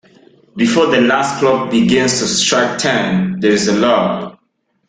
Before the last clock begins to strike ten, there is a lull.